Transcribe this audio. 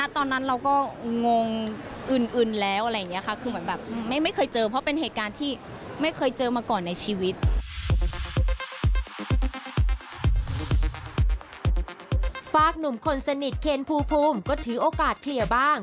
หนุ่มคนสนิทเคนภูมิก็ถือโอกาสเคลียร์บ้าง